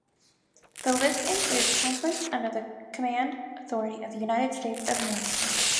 This list includes conflicts under the command authority of the United States of America.